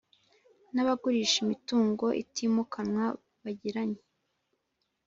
n abagurisha imitungo itimukanwa bagiranye